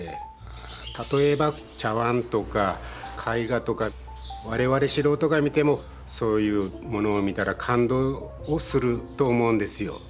例えば茶わんとか絵画とか我々素人が見てもそういうものを見たら感動をすると思うんですよ。